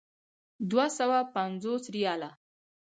دوه سوه پنځوس ریاله.